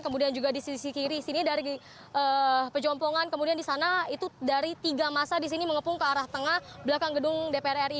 kemudian juga di sisi kiri sini dari pejompongan kemudian di sana itu dari tiga masa di sini mengepung ke arah tengah belakang gedung dpr ri